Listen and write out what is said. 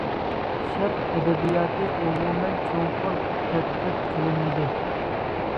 شەرق ئەدەبىياتى ئومۇمەن چوڭقۇر تەتقىق قىلىنمىدى.